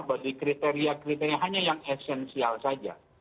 bagi kriteria kriteria hanya yang esensial saja